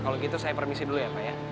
kalau gitu saya permisi dulu ya pak ya